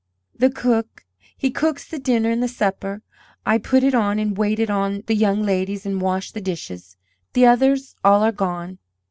"The cook, he cooks the dinner and the supper; I put it on and wait it on the young ladies and wash the dishes. The others all are gone."